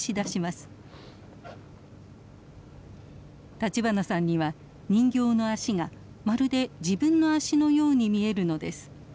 立花さんには人形の足がまるで自分の足のように見えるのです。